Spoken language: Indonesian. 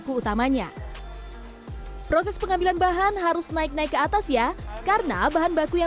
baku utamanya proses pengambilan bahan harus naik naik ke atas ya karena bahan baku yang